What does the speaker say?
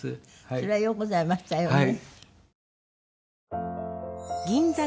それはようございましたよね。